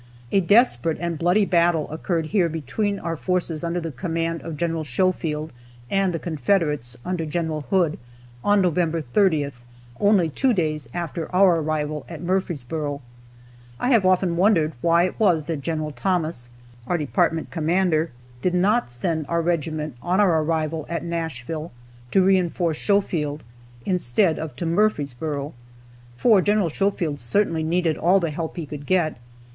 A desperate and bloody battle occurred here between our forces under the command of Gen. Schofield and the Confederates under Gen. Hood, on November 30th, only two days after our arrival at Murfreesboro. I have often wondered why it was that Gen. Thomas, our department commander, did not send our regiment, on our arrival at Nashville, to reinforce Schofield, instead of to Murfreesboro, for Gen. Schofield certainly needed all the help he could get.